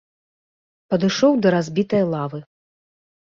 Падышоў да разбітай лавы.